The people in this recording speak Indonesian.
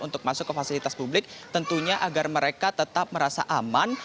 untuk masuk ke fasilitas publik tentunya agar mereka tetap merasa aman